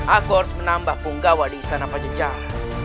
aku harus menambah punggawa di istana penjecah